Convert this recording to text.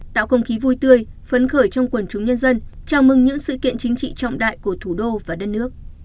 tạo không khí vui tươi phấn khởi trong quần chúng nhân dân chào mừng những sự kiện chính trị trọng đại của thủ đô và đất nước